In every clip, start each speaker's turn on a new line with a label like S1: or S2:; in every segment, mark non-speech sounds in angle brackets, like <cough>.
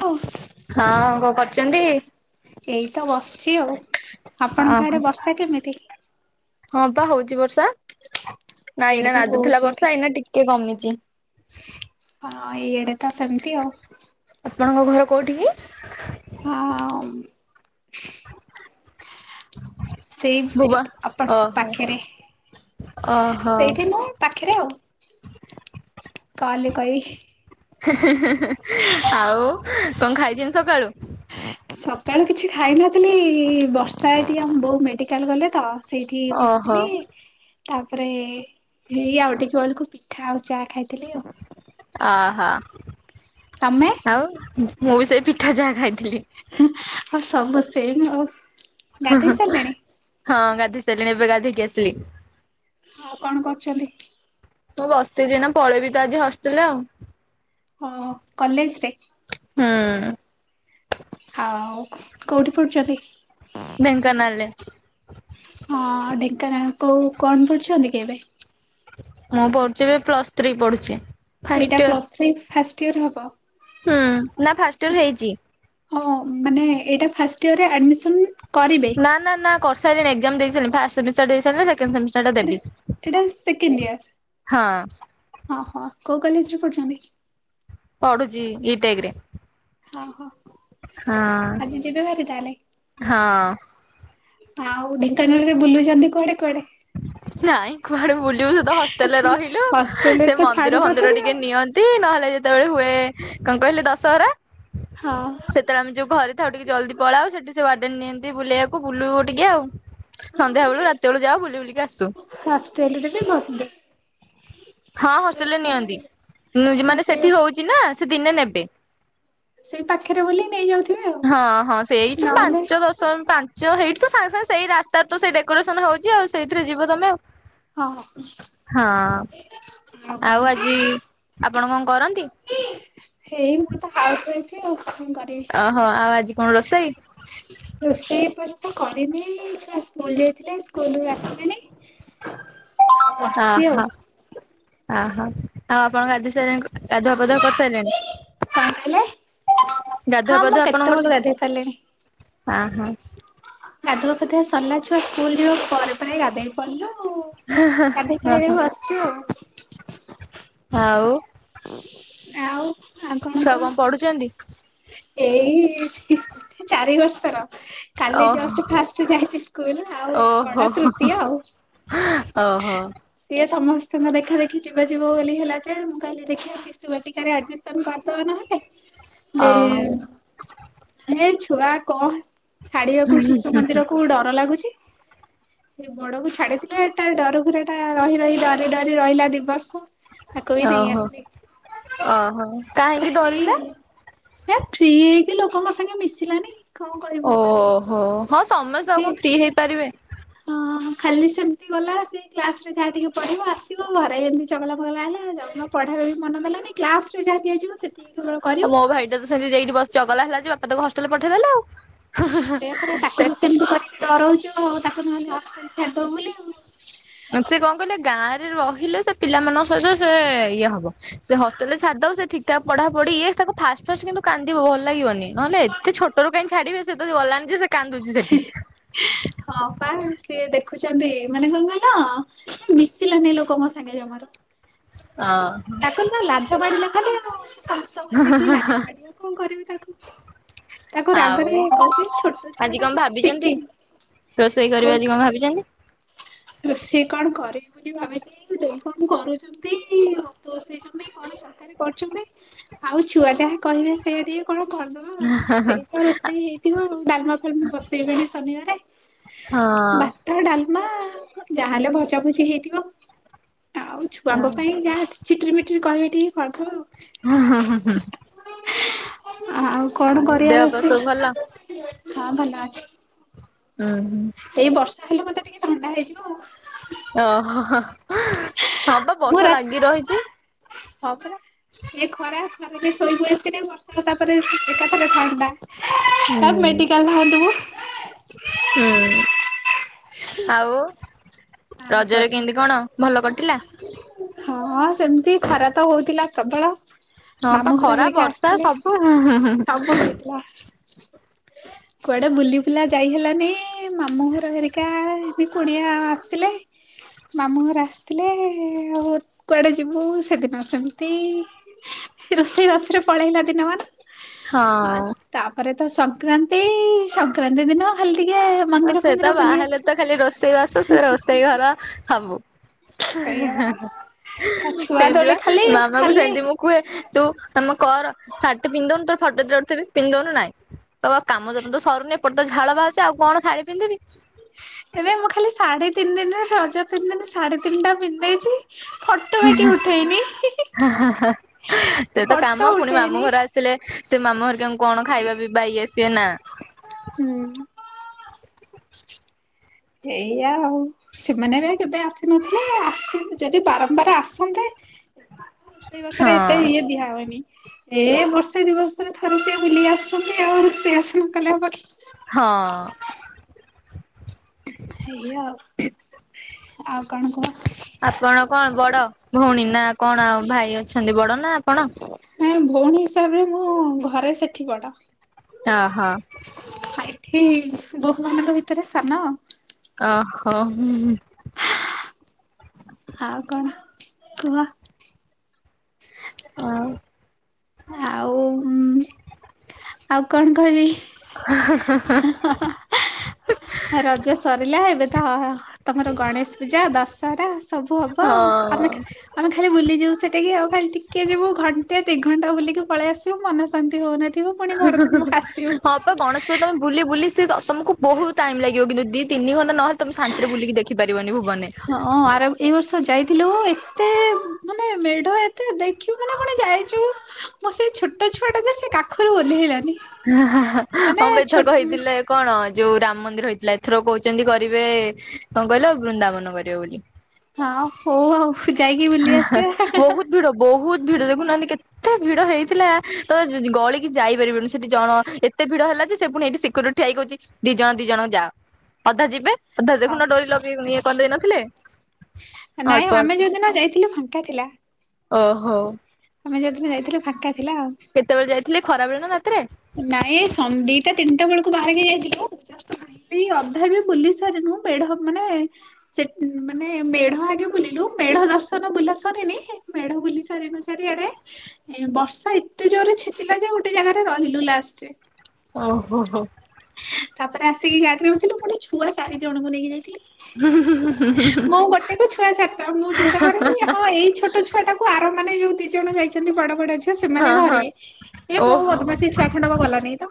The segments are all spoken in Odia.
S1: ଆଉ
S2: ହଁଁ, କଣ କର ଚନ୍ତି?
S1: ଏଇ ତ ବସିଛି ଆଉ। ଆପଣଙ୍କ
S2: ଓହୋ
S1: ଆଡେ ବର୍ଷା କେମିତି?
S2: ହଁ ବା, ହଉଛି ବର୍ଷା। ନାଇଁ
S1: ଇଆଡେ
S2: ଏଇନା
S1: ବି ବହୁତ
S2: ନାଦୁଥିଲା
S1: ଜୋରେ
S2: ବର୍ଷା, ଏଇନା ଟିକେ କମିଛି।
S1: ହଁ, ଏଇଆଡେ ତ ସେମିତି ଆଉ।
S2: ଆପଣଙ୍କ ଘର କୋଉଠି କି?
S1: ହଁ, ଆଉ। ସେଇ,
S2: ଭୁବ
S1: ଆପଣଙ୍କ
S2: ଓହୋ
S1: ପାଖେରେ।
S2: ଓହୋ
S1: ସେଇଠି ନୁହ ପାଖେରେ ଆଉ। କଲରେ କହିବି।
S2: ହିଁ-ହିଁ-ହିଁ-ହିଁ-ହିଁ। ଆଉ କଣ ଖାଇଛନ୍ତି ସକାଳୁ?
S1: ସକାଳୁ କିଛି ଖାଇନଥିଲି, ବର୍ଷା ଏଠିକି ଆମ ବୋଉ ମେଡିକାଲ ଗଲେ ତ ସେଇଠି
S2: ଓହୋ
S1: ବସିଥିଲି ତାପରେ ହେଇ ଆଉ ଟିକେ ବେଳକୁ ପିଠା ଆଉ ଚା ଖାଇଥିଲି ଆଉ।
S2: ଅହୋ।
S1: ତମେ
S2: ଆଉ ମୁଁ ବି ସେଇ ପିଠା ଚାହା ଖାଇଥିଲି।
S1: ଆଉ ସବୁ ସେମ ଆଉ।
S2: ହଁ,
S1: ଗାଧେଇ
S2: ହଁ।
S1: ସାରିଲେଣି?
S2: ହଁ, ଗାଧେଇ ସାରିଲିଣି, ଏବେ ଗାଧେଇକି ଆସିଲି।
S1: ଆଉ କଣ କରୁଚନ୍ତି?
S2: ମୁଁ ବସିଛି ଏଇନା ପଳେଇବି ତ ଆଜି ହଷ୍ଟେଲ ଆଉ।
S1: ହଁ, କଲେଜରେ?
S2: ହୁଁ।
S1: ଆଉ କୋ-କୋଉଠି ପଢୁଛନ୍ତି?
S2: ଢେଙ୍କାନାଲରେ।
S1: ହଁ, ଢେଙ୍କାନାଳ କୋଉ କଣ ପଢୁଛନ୍ତି କି ଏବେ?
S2: ମୁଁ ପଢୁଛି ଏବେ ପ୍ଲସ୍ ଥ୍ରୀ ପଢୁଛି। ଫାଷ୍ଟ
S1: ଏଇଟା
S2: year
S1: plus three first year ହବ?
S2: ହୁଁ, ନା ଫାଷ୍ଟିୟର ହେଇଛି।
S1: ହଁ, ମାନେ ଏଇଟା ଫାଷ୍ଟଇୟରେ ଆଡମିସନ୍ କରିବେ।
S2: ନା, ନା, ନା, କରିସାଇଲେଣି ଏକ୍ଜାମ ଦେଇସାରିଲିଣି। ଫାଷ୍ଟ ସେମିଷ୍ଟାର ଦେଇସାରିଲିଣି, ସେକେଣ୍ଡ ସେମିଷ୍ଟାର ଷ୍ଟାରଟା
S1: ଏଟା ଏଇଟା
S2: ଦେବି। ହଁ।
S1: ଓହୋ। କୋଉ କଲେଜରେ ପଢୁଛନ୍ତି?
S2: ପଢ଼ୁଛିି ଇଟେଗରେ।
S1: ହଁ, ହଁ।
S2: ହଁ।
S1: ଆଜି ଯିବେ ଭାରି ତାହେଲେ?
S2: ହଁ
S1: ଆଉ ଢେଙ୍କାନାଳରେ ବୁଲୁଛନ୍ତି କୁଆଡେ କୁଆଡେ?
S2: ନାଇଁ କୁଆଡେ ବୁଲିବୁ, ସେ ତ ହଷ୍ଟେଲରେ ରହିଲୁ,
S1: ହଷ୍ଟେଲରେ
S2: ସେ
S1: ତ
S2: ମନ୍ଦିର ଫନ୍ଦିର
S1: ଛାଡୁନଥିବେ
S2: ଟିକେ
S1: ଆଉ।
S2: ନିଅ ନ୍ତି, ନହେଲେ ଯେତେବେଳେ ହୁଏ କଣ କହିଲେ, ଦଶହରା
S1: ହଁ।
S2: ସେତେବେଳେ ଆମେ ଯୋଉ ଘରେ ଥାଉ, ଟିକେ ଜଲଦି ପଳାଉ, ସେଠି ସେ ୱାର୍ଡେନ ନିଅନ୍ତି ବୁଲେଇବାକୁ ବୁଲୁବୁ ଟିକେ ଆଉ। ସନ୍ଧ୍ୟାବେଳୁ ରାତିବେଳୁକୁ ଯାଉ ବୁଲି ବୁଲିକି ଆସୁ।
S1: ହଷ୍ଟେଲରେ ବି <unintelligible>
S2: ହଁ ହଷ୍ଟେଲରେ ନିଅନ୍ତି,
S1: ହଁ
S2: ଉମ୍ ମାନେ
S1: ସେଇ
S2: ସେଠି ହଉଛି ନା, ସେ ଦିନେ ନେବେ।
S1: ସେଇ ପାଖେରେ ବୋଲି ନେଇଯାଉଥି
S2: ହଁ ହଁ, ସେଇଠୁ ଉମ୍ ପାଞ୍ଚ ଦଶ ପାଞ୍ଚ ପାଞ୍ଚ ହେଇଠୁ ତ ସାଙ୍ଗେ ସାଙ୍ଗେ ସେଇ ରାସ୍ତାରେ ତ ସେ ଡେକୋରେସନ ହଉଛି ଆଉ ସେଇଥିରେ ଯିବ ତମେ ଆଉ।
S1: ହଁ।
S2: ହଁ ଆଉ ଆଜି, ଆପଣ କଣ କରନ୍ତି?
S1: ହେଇ ମୁଁ ତ ହାଉସ ୱାଇଫ ଆଉ କଣ କରିବି।
S2: ଓହୋ ଆଉ ଆଜି କଣ ରୋଷେଇ?
S1: ରୋଷେଇ ଏ ପର୍ଯ୍ୟନ୍ତ କରିନି। ଛୁଆ ସ୍କୁଲ ଯାଇଥିଲେ ସ୍କୁଲ ରୁ ଆସିଲେଣି। ଆଉ ବସିଛି ଆଉ
S2: ଅହୋ ଆହୋ ଆଉ ଆପଣ ଗାଧେଇ ସାଇଲେ ଗାଧୁଆ ପାଧୁଆ କରିସାରିଲେଣି?
S1: କଣ କହିଲେ?
S2: ଗାଧୁଆ
S1: ହଁ ମୁଁ
S2: ପାଧୁଆ ଆପଣଙ୍କର
S1: କେତେବେଳୁ
S2: ସ
S1: ଗାଧେଇ ସାରିଲିଣି।
S2: ହଁ ହଁ।
S1: ଗାଧୁଆ ପାଧୁଆ ସରିଲା। ଛୁଆ ସ୍କୁଲ ଯିବା ପରେ ପରେ ଗାଧେଇ ପଡିଲୁ ଗାଧେଇ ଖାଇ ଏଇ
S2: ଓହୋ
S1: ବସିଛୁ ଆଉ।
S2: ଆଉ।
S1: ଆଉ। ଆଉ
S2: ଛୁଆ
S1: କୁହ?
S2: କଣ ପଢୁଛନ୍ତି?
S1: ଏଇ ଚାରି ବର୍ଷର। କାଲି
S2: ଓହୋ
S1: ଜଷ୍ଟ ଫାଷ୍ଟ ଯାଇଛି ସ୍କୁଲ ଆଉ
S2: ଓହୋ
S1: ପଢା ତୃତୀୟ ଆଉ।
S2: ଓହୋ।
S1: ସିଏ ସମସ୍ତଙ୍କ ଦେଖା ଦେଖି ଯିବା ଯିବ ବୋଲି ହେଲା ଯେ ମୁଁ କହିଲେ ଦେଖିଆ ସେ ଶିଶୁ ବାଟିକାରେ ଆଡମିସନ କରିଦଉନହେଲେ ଏ
S2: ଓହୋ
S1: ହେ ଛୁଆ କଣ ଛାଡିବାକୁ ଶିଶୁ ମନ୍ଦିର କୁ ଡର ଲାଗୁଛି। ସେ ବଡକୁ ଛାଡିଥିଲେ ଏଟା ଡରୁକୁରାଟା ରହି ରହି ଡରି ଡରି ରହିଲା ଦି ବର୍ଷ। ତାକୁ ବି ନେଇ
S2: ଓହୋ
S1: ଆସିଲି।
S2: ଓହୋ କାହିଁକି
S1: ହେଇ
S2: ଡରିଲେ
S1: ହେ ଫ୍ରି ହେଇକି ଲୋକଙ୍କ ସାଙ୍ଗେ ମିଶିଲାନି କଣ କରିବୁ।
S2: ଓହୋ ହଁ ସମସ୍ତେ ଆଉ
S1: ଯେ
S2: କଣ ଫ୍ରି ହେଇପାରିବେ।
S1: ହଁ ଖାଲି ସେମିତି ଗଲା, ସେ କ୍ଲାସ ରେ ଯାହା ଟିକେ ପଢିବ ଆସିବ ଘରେ ଏମିତି ଚଗଲା ଫଗଲା ହେଲା ଆଉ ଯାଉନି। ପଢ଼ା ବେଳେ ବି ମନ ଦେଲାନି। କ୍ଲାସ୍ ରେ ଯାହା ଦିଆଯିବ ସେତିକୀ।
S2: ଆଉ ମୋ ଭାଇଟା ତ ସେମିତି ଯାଇ ଏଠି ବସ ଚଗଲା ହେଲା ଯେ, ବାପା ତାକୁ ହଷ୍ଟେଲ ପଠେଇଦେଲେ ଆଉ।
S1: ସେଇଆ ପରା
S2: ସେ
S1: ତାକୁ ତ ସେମିତି କରିକି ଡରଉଛୁ ଆଉ ତାକୁ ନେଇ ହଷ୍ଟେଲ ରେ ଛାଡିଦବୁ ବୋଲି ଆଉ।
S2: ସେ କଣ କହିଲେ ଗାଁରେ ରହିଲେ ସେ ପିଲା ମାନଙ୍କ ସହି ସେ ଇଏ ହବ। ସେ ହଷ୍ଟେଲ ରେ ଛାଡିଦବ ସେ ଠିକ୍ ଠାକ୍ ପଢା ପଢି ଇଏ ତାକୁ ଫାଷ୍ଟ ଫାଷ୍ଟ କିନ୍ତୁ କାନ୍ଦିବ ଭଲ ଲାଗିବନି। ନହେଲେ ଏତେ ଛୋଟରୁ କାହିଁ ଛାଡିବେ। ସେତ ଗଲାଣି ଯେ ସେ କାନ୍ଦୁଛି ସେଠି।
S1: ହଁ ପା ସିଏ ଦେଖୁଛନ୍ତି ମାନେ କଣ କହିଲ ସେ ମିଶିଲାନି ଲୋକଙ୍କ ସାଙ୍ଗେ ଜମାରୁ।
S2: ହଁ।
S1: କହିଲ ଲାଜ ମାଡିଲା ଖାଲି ଆଉ ସମସ୍ତଙ୍କୁ ଦେଖିକି ଲାଜ ମାଡିବ କଣ କରିବି ତାକୁ। ତାକୁ
S2: ଆଉ
S1: ରାଗରେ କହୁଛି ଛୋଟ
S2: ଆଜି
S1: ଛୁଆ ଟା
S2: କଣ
S1: କିଛି
S2: ଭାବିଛନ୍ତି?
S1: ଶିଖିନି।
S2: ରୋଷେଇ କରିବେ
S1: କହୁଛି
S2: ଆଜି କଣ ଭାବିଛନ୍ତି?
S1: ରୋଷେଇ କଣ କରିବି ବୋଲି ଭାବିଛି। ବୋଉ କଣ କରୁଛନ୍ତି ଭାତ ବସେଇଛନ୍ତି କଣ ତରକାରି କରୁଛନ୍ତି ଆଉ ଛୁଆ ଯାହା କହିବେ ସେଇୟା ଟିକେ କଣ କରିଦବା ଆଉ ସେଇ ତ ରୋଷେଇ ହେଇଥିବ ଆଉ। ଡାଲମା ଫାଲମ ବସେଇବେନି ଶନିବାରେ।
S2: ହଁ।
S1: ଭାତ ଡାଲମା ଯାହାହେଲେ ଭଜାଭୁଜି ହେଇଥିବ ଆଉ ଛୁଆଙ୍କ ପାଇଁ ଯାହା ଚି ଚିଟିର ମିଟିର କହିବେ ଟିକେ କରିଦବା ଆଉ।
S2: ହୁଁ ହୁଁ ହୁଁ ହୁଁ।
S1: ଆଉ କଣ କରିବା
S2: ଦେହ ପା ସବୁ ଭଲ?
S1: ରୋଷେଇ ହଁ ଭଲ ଅଛି।
S2: ହୁଁ ହୁଁ।
S1: ଏଇ ବର୍ଷା ହେଲେ ମତେ ଟିକେ ଥଣ୍ଡା ହେଇଯିବ ଆଉ।
S2: ଓହୋ ହଁ ବା
S1: ମୁଁ
S2: ବର୍ଷା ଲାଗି
S1: ରା
S2: ରହିଛି।
S1: ହଁ ପରା ଏଇ ଖରା ଖରା ଶୋଇବ ଆସିନା ବର୍ଷା ର୍ଷା ତାପରେ ତାପରେ ଥଣ୍ଡା
S2: ହୁଁ
S1: ତା ମେଡିକାଲ ଧାଉଁଥିବୁ।
S2: ହୁଁ ଆଉ
S1: ଆଉ କଣ
S2: ରଜରେ କେମିତି କଣ ଭଲ କଟିଲା?
S1: ହଁ ସେମିତି ଖରା ତ ହଉଥିଲା ପ୍ରବଳ।
S2: ହଁ ପା
S1: ମାମୁଁ ଘର
S2: ଖରା
S1: ହେରିକା
S2: ବର୍ଷା
S1: ଆସିଥିଲେ
S2: ସବୁ ହିଁ ହିଁ ହିଁ।
S1: ସବୁ କୁଆଡ଼େ ବୁଲି ବୁଲା ଯାଇ ହେଲାନି ମାମୁଁ ଘର ହେରିକା ଏବେ କୁଣିଆ ଆ ସିଲେ। ମାମୁଁ ଘର ଆସିଥିଲେ ଆଉ କୁଆଡ଼େ ଯିବୁ ସେଦିନ ସେମିତି ରୋଷେଇ ବାସରେ ପଳେଇଲା ଦିନ ମାନ।
S2: ହଁ।
S1: ତାପରେ ତ ସଂକ୍ରାନ୍ତି ସଂକ୍ରାନ୍ତି ଦିନ ଖାଲି ଟିକେ ମନ୍ଦିର
S2: ସେ ତ
S1: ଫନ୍ଦିର
S2: ବାହା
S1: ବୁଲି
S2: ହେଲେ
S1: ଆସିଲୁ।
S2: ତ ଖାଲି ରୋଷେଇ ବାସ ସେ ରୋଷେଇ ଘର ସବୁ
S1: ସେଇଆ
S2: ହେଁ
S1: ପରା ଛୁଆ
S2: ସେମିତି ବା
S1: ତୋଳେ ଖାଲି
S2: ମାମା କୁ
S1: ଖାଲି
S2: ସେମିତି ମୁଁ କୁହେ ତୁ ତମେ କର ଶାଢ଼ୀ ଟେ ପିନ୍ଦଉନୁ ତୋର ଫଟ ଦିଟା ଉଠେଇଦେବି ପିନ୍ଦଉନୁ ନାଇଁ। କଇବ କାମ ଦାମ ତ ସରୁନି ଏପଟେ ତ ଝାଳ ବାହାରୁଚି ଆଉ କଣ ଶାଢ଼ୀ ପିନ୍ଧିବି।
S1: ଏବେ ମୁଁ ଖାଲି ଶାଢ଼ୀ ତିନି ଦିନରେ ରଜ ତିନିଦିନ ଶାଢ଼ୀ ତିନିଟା ପିନ୍ଦଦେଇଚି।
S2: ହିଁ ହିଁ ହା ହା ହା ସେ ତ
S1: ଫଟୋ
S2: କାମ ପୁଣି ମାମୁଁ
S1: ଉଠେଇନି।
S2: ଘର ଆ ଆସିଲେ ସେ ମାମୁଁ ହେରିକାଙ୍କୁ କଣ ଖାଇବା ପିଇବା ଇଏ ସିଏ ନା।
S1: ହୁଁ। ଏଇଆ ଆଉ। ସେମାନେ ଏବେ କେବେ ଆସିନଥିଲେ ଆସି ଯଦି ବାରମ୍ବାର ଆସନ୍ତେ ରୋଷେଇ
S2: ହଁ
S1: ବାସରେ ଏତେ ଇଏ ଦିଆ ହୁଏନି। ଏ ବର୍ଷେ ଦି ବର୍ଷରେ ଥରେ ସିଏ ବୁଲି ଆସୁଛନ୍ତି ଆଉ ରୋଷେଇ ବାସ ନ କଲେ ହବ କି।
S2: ହଁ।
S1: ଏଇଆ ଆଉ ଆଉ କଣ କୁହ?
S2: ଆପଣ କଣ ବଡ଼ ଭଉଣୀ ନା କଣ ଆଉ ଭାଇ ଅଛନ୍ତି ବଡ଼ ନା ଆପଣ?
S1: ନାଇଁ ଭଉଣୀ ହିସାବରେ ମୁଁ ଘରେ ସେଠି ବଡ଼।
S2: ଓ ହୋ।
S1: ଏଠି ବୋହୂ ମାନଙ୍କ ଭିତରେ ସାନ।
S2: ଓହୋ ହୁଁ।
S1: ଆଉ କଣ କୁହ?
S2: ଆଉ
S1: ଆଉ ଆଉ କଣ କହିବି? ରଜ ସରିଲା ଏବେ ତ ତମର ଗଣେଶ ପୂଜା ଦଶହରା ସବୁ ହବ ଆଉ ଆମେ ଆମେ ଖାଲି ବୁଲିଯିବୁ ସେଠିକି ଆଉ ଖାଲି ଟିକେ ଯିବୁ ଘଣ୍ଟେ ଦି ଘଣ୍ଟା ବୁଲିକି ପଳେଇ ଆସିବ ମନ ଶାନ୍ତି ହଉନଥି
S2: ହଁ ପା ଗଣେଶ ପୂଜା ତମେ ବୁଲି ବୁଲି ସେ ତ-ତମକୁ ବହୁତ ଟାଇମ ଲାଗିବ କିନ୍ତୁ ଦି ତିିନି ଘଣ୍ଟ ନହଲେ ତମେ ଶନ୍ତିରେ ବୁିଲିକି ଦେ ଖି ପାରିବନି ଭୁବନ ରେ।
S1: ହଁ ଆର ଏଇ ବର୍ଷ ଯାଇଥିଲୁ ଏତେ ମାନେ ମେଢ଼ ଏତେ ଦେଖୁବୁ ମାନେ କଣ ଯାଇଚୁ ମୋ ସେଇ ଛୋଟ ଛୁଆ ଟା ଯେ ସେ କାଖରୁ ଓଲ୍ହେଇଲାନି।
S2: ହା ହା ହା ହଁ ମ୍ବେ ଏଥରକ ହେଇଥିଲା କଣ ଯୋଉ ରାମ ମନ୍ଦିର ହେଇଥିଲା। ଏଥରକ କୋଉଚନ୍ତି କରିବେ କଣ କଇଲ ବୃନ୍ଦାବନ କରିବେ ବୋଲି।
S1: ହଁ ହଉ ଆଉ ଯାଇକି ବୁଲି ଆସିବା ହେଁ ହେଁ।
S2: ବହୁତ ଭିଡ ବହୁତ ଭିଡ ଦେଖୁନାହାନ୍ତି କେ ଏତେ ଭିଡ ହେଇଥିଲା ତମେ ଗଳିକି ଯାଇପାରିବନି ସେଠି ଜଣ ଏତେ ଭିଡ ହେଲା ଯେ ସେ ପୁଣି ଏଇଟି ସିକ୍ୟୁରି ଠିଆ ହେଇ କଉଚି ଦି ଜଣ ଦି ଜଣ ଯାଅ। ଅଧା ଯିବେ ଅଧା ଦେଖୁନଡୋରି ଲଗେଇ ଇଏ କରିଦେଇ ନଥିଲେ।
S1: ନାଇଁ
S2: ଅଳ୍ପ
S1: ଆମେ
S2: ଅଳ୍ପ
S1: ଯୋଉଦିନ ଯାଇଥିଲୁ ଫାଙ୍କା ଥିଲା।
S2: ଓହୋ।
S1: ଆମେ ଯେତେବେଳେ ଯାଇଥିଲେ ଫାଙ୍କା ଥିଲା ଆଉ
S2: କେତେବେଳେ ଯାଇଥିଲେ ଖରାବେଳେ ନା ରାତିରେ?
S1: ନାଇଁ ଦିଟା ତିନିଟା ବେଳକୁ ବାହାରିକି ଯାଇଥିଲି ମୁଁ। ଏ ଅଧା ବି ବୁଲି ସାରି ନୁଁ, ମେଢ ମାନେ ସେ ମାନେ ମେଢ ଆଗ ବୁଲିଲୁ ମେଢ ଦର୍ଶନ ବୁଲାସରିନି ମେଢ ବୁଲି ସାରିନୁ ଚାରି ଆଡେ ବର୍ଷା ଏତେ ଜୋରରେ ଛେଚିଲା ଯେ ଗୋଟେ ଜାଗାରେ ରହି ଥିଲୁ ଲାଷ୍ଟରେ।
S2: ଓହୋ ହୋ।
S1: ତାପରେ ଆସିକି ଗାଡିରେ ବସିଲୁ, ମୁଁ ପୁଣି ଛୁଆ ଚାରି ଜଣଙ୍କୁ ନେଇକି ଯାଇଥିଲି। ମୁଁ ଗୋଟେକୁ ଛୁଆ ଚାରିଟା, ମୁଁ ଚିନ୍ତା କରେନି ହଁ ଏଇ ଛୋଟ ଛୁଆ ଟାକୁ ଆର ମାନେ ଯୋଉ ଦି ଜଣ ଯାଇଛନ୍ତି ବଡ ବଡ ଝିଅ ସେମାନେ
S2: ହଁ ହଁ
S1: ଧରିବେ। ଏ ମୋ
S2: ଓହୋ
S1: ସେ ଛୁଆ ଖଣ୍ଡକ ଗଲାନାଇଁ ତ।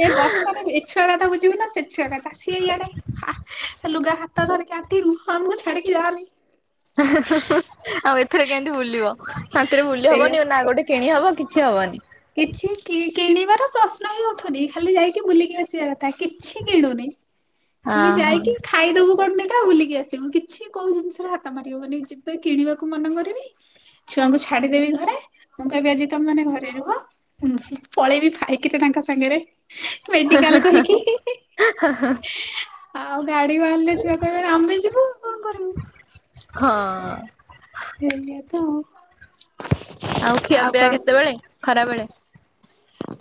S1: ଏ ବର୍ଷାରେ ଛୁଆ କଥା ବୁଝିମି ନା ସେ ଛୁଆ କଥା ସିଏ ଇଆଡେ ଲୁଗା ହା ହାତ ଧରିକି ଆଁଟିରୁ ଆମକୁ ଛାଡିକି ଯାନି।
S2: ଆଉ ଏଥରେ କେମତି ବୁଲିବ ଶାନ୍ତିରେ ବୁଲି
S1: ସେଇଆ
S2: ହବନି ନା ଗୋଟେ କିଣିହବ କିଛି ହବନି।
S1: କିଛି କିଣିବାର ପ୍ରଶ୍ନ ହିଁ ଉଠୁନି, ଖାଲି ଯାଇକି ବୁଲିକି ଆସିବା କଥା। କିଛି କିଣୁନି ଖାଲି ଯାଇକି ଖାଇଦବୁ କଣ ଦିଟା ବୁଲିକି ଆସିବୁ କିଛି କୋଉ ଜିନିଷରେ ହାତ ମାରିବ ମାନେ ତ କିଣିବାକୁ ମନେ କରିବି। ଛୁଆଙ୍କୁ ଛାଡିଦେବି ଘରେ। ମୁଁ କହିବି ଆଜି ତମେ ମାନେ ଘରେ ରୁହ। ଉଁ ପଳେଇବି ଫାଇକିରେ ତାଙ୍କ ସାଙ୍ଗରେ। ମେଡିକାଲ କହିକି। ଆଉ ଗାଡି ବାହାରିଲେ ଛୁଆ କହିବେ ଆମେ ଯିବୁ କଣ କରିବୁ?
S2: ହଁ।
S1: ସେଇଆ ତ
S2: ଆଉ ଖିଆ ପିଆ କେତେବେଳେ ଖରାବେଳେ?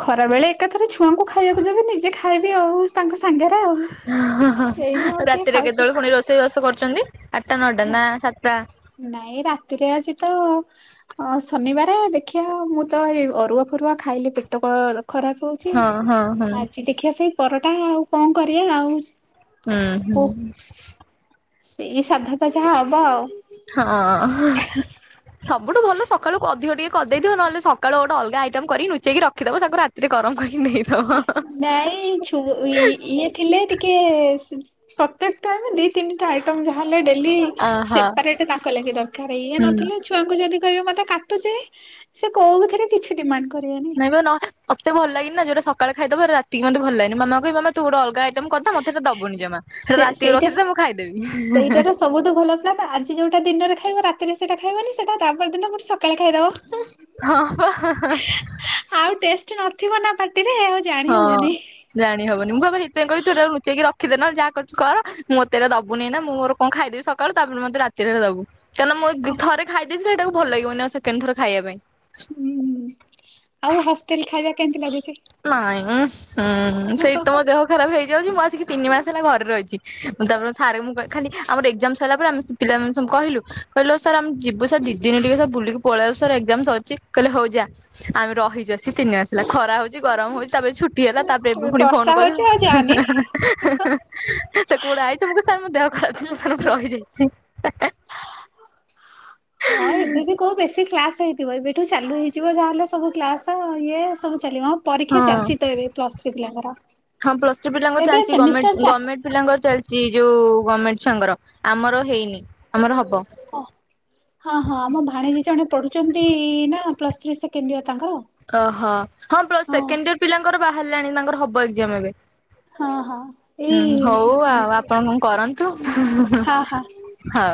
S1: ଖରାବେଳେ ଏକାଥରେ ଛୁଆଙ୍କୁ ଖାଇବାକୁ ଦେବି ନିଜେ ଖାଇବି ଆଉ ତାଙ୍କ ସାଙ୍ଗରେ ଆଉ
S2: ହଁ ହଁ
S1: ଏଇନୁ ଆଉ କିଏ
S2: ରାତିରେ
S1: ଖାଉଛି
S2: କେତେବେଳେ ପୁଣି ରୋଷେଇବାସ କରୁଛନ୍ତି ଆଠଟା ନଅଟା
S1: ହେଲା
S2: ନା ସାତଟା?
S1: ନାଇଁ ରାତିରେ ଆଜି ତ ହଁ ଶନିବାର ଦେଖିବା ମୁଁ ତ ଏ ଅରୁଆ ଫରୁଆ ଖାଇଲି ପେଟ ଖରାପ ହଉଛି।
S2: ହଁ ହଁ ହଁ।
S1: ଆଜି ଦେଖିଆ ସେଇ ପରଟା ଆଉ କଣ କରିବା ଆଉ
S2: ହୁଁ ହୁଁ
S1: ପ ସେଇ ସାଧା ତ ଯାହା ହବ ଆଉ
S2: ହଁ। ସବୁଠୁ ଭଲ ସକାଳୁ ଅଧିକ ଟିକେ କରିଦେଇଥିବ, ନହେଲେ ସକାଳୁ ଗୋଟ ଅଲଗ ଆଇଟମ କରିିକ ନୁଚେଇକି ରଖିଦବ ତାକୁ ରାତି ରେ ଗରମ କରିିକି ଦେଇଦ
S1: ନାଇଁ ଛୁ ଏ ଇଏ ଥିଲେ ଟିକେ ପ୍ରତ୍ୟେକ ଟାଇମ୍ ଦି ତିନି ଦିଟା ଆଇଟମ୍ ଯାହାହେଲେ ଡେଲି
S2: ଅହ।
S1: ସେପାରେଟ୍ ତାଙ୍କ ଲାଗି ଦରକାର ଏଇଆ
S2: ହୁଁ
S1: ନଥିଲେ ଛୁ ଛୁଆଙ୍କୁ ଯଦି କହିବେ ମତେ କାଟୁଛି ସେ କୋଉଥିରେ କିଛି ଡିମାଣ୍ଡ କରିବେନି?
S2: ମତେ ଭଲ ଲାଗିବନି ଯୋଉଟା ସକାଳେ ଖାଇଦେବି ରାତିକି ଖାଇବାକୁ ମତେ ଭଲ ଲାଗେନି ମାମା ତୁ ଗୋଟେ ଅଲଗା ଆଇଟମ୍ କରିଥା ମତେହେଟା ଦବନି ଜମା
S1: ସେ
S2: ରାତିକୁ
S1: ସେଇଟା
S2: ରଖିଥା ମୁଁ ଖାଇଦେବି
S1: ସେଇଟାର ସବୁଠୁ ଭଲ ପା ଆଜି ଯୋଉଟା ଦିନରେ ଖାଇବ ରାତିରେ ସେଟା ଖାଇବନି ସେଟା ତାପର ଦିନ ସକାଳେ ଖାଇଦବ
S2: ହଁ ହଁ।
S1: ଆଉ ଟେଷ୍ଟ୍ ନଥିବ ନା ପାଟିରେ ଜାଣି
S2: ହଁ।
S1: ହବନି।
S2: ଜାଣି ହବନି ମୁଁ ପା ସେଇଥିପାଇଁ କ‌ହିବି ତୁ ଲୁଚେଇକି ରଖିଦେ ନହେଲେ ଯାହା କରୁଛୁ କର ମୁଁ ମତେ ଦବୁନି ନା ମୁଁ ମୋର କଣ ଖାଇଦେବି ସକାଳୁ ତାପରେ ମୋତେ ରାତିରେ ଦବୁ କାରଣ ମୁଁ ଥରେ ଖାଇ ଦେଇଥିଲି ସେଟାକୁ ଭଲ ଲାଗିବନି ଆଉ ସେକେଣ୍ଡ ଥର ଖାଇବା ପାଇଁ
S1: ହୁଁ ହୁଁ ଆଉ ହଷ୍ଟେଲ ଖାଇବା କେମିତି ଲାଗୁଛି?
S2: ନାଇଁ ହୁଁ ସେଇଠି ତମ ଦେହ ଖରାପ ହେଇଯାଉଚି ମୁଁ ଆସିକି ତିନି ମାସ ହେଲା ଘରେ ରହିଚି। ମୁଁ ତାପରେ ସାର୍ ଙ୍କୁ ଖାଲି ଆମର ଏକ୍ଜାମ ସଇଲା ପରେ ଆମେ ପିଲା ମାନେ ସବୁ କହିଲୁ କହିଲୁ ସାର୍ ଆମେ ଯିବୁ ସାର୍ ଦି ଦିନ ଟିକେ ସାର୍ ବୁଲିକି ପଳେଇ <unintelligible> ସାର୍ ଏକ୍ଜାମ୍ ସରିଛି କହିଲେ ହୋଉ ଯା ଆମେ ରହିଚୁ ଆସିକି ତିନି ମାସ ହେଲା ଖରା ହୋଉଚି ଗରମ ହୋଉଚି ତାପରେ ଛୁ ଟି ହେଲା ତାପରେ ଏବେ ଫୁଣି ଫୋନ୍
S1: ବର୍ଷା ହଉଛି ଆଉ ଯାନି।
S2: <unintelligible> <unintelligible> କୁଆଡେ ଆଇଚ ମୁଁ କହିଲି ସାର୍ ମୋ ଦେହ ଖରାପ ଥିଲା। ସାର୍ ମୁଁ ରହି ଯାଇଛି।
S1: କେଉ ବେଶୀ କ୍ଲାସ୍ ହେଇଥିବ ଏବେଠୁ ଚାଲୁ ହେଇଯିବ ଯାହାଲେ ସବୁ କ୍ଲାସ୍ ଇଏ ସବୁ ଚାଲିବ।
S2: ହଁ
S1: ପରୀକ୍ଷା ଚାଲିଛି ତ ଏବେ ପ୍ଲସ୍ ଥ୍ରୀ ପିଲାଙ୍କର
S2: ହଁ ପ୍ଲସ ଟୁ ପିଲାଙ୍କର
S1: ଏବେ
S2: ଚାଲିଛି ଗମେଣ୍ଟ
S1: ସେମିଷ୍ଟାର ଚା
S2: ଗମେଣ୍ଟ ପିଲାଙ୍କର ଚାଲିଚି ଯୋଉ ଗମେଣ୍ଟେ ଛୁଆଙ୍କର ଆମର ହେଇନି ଆମର ହବ।
S1: ଓ ହଁ ହଁ ଆମ ଭାଣୀଜୀ ଜଣେ ପଢୁଚନ୍ତି ନା ପ୍ଲସ୍ ଥ୍ରୀ ସେକେଣ୍ଡ ଇୟର ତାଙ୍କର
S2: ଅଃ ହଁ ପ୍ଲସ ସେକେଣ୍ଡ ଇୟର ପିଲାଙ୍କର ବାହାରିଲାଣି ତାଙ୍କର ହବ ଏକ୍ଜାମ୍ ଏବେ
S1: ହଁ ହଁ ଏଇ
S2: ହୁଁ ହୋଉ ଆଉ ଆପଣ କଁ କରନ୍ତୁ।
S1: ହଁ ହଁ।
S2: ହଉ।